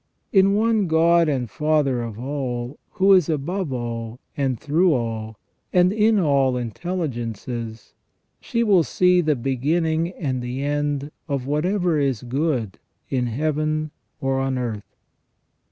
In one God and Father of all, who is above all, and through all, and in all intelligences, she will see the beginning and the end of whatever is good in Heaven or on earth.